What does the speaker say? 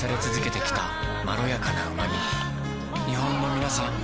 日本のみなさん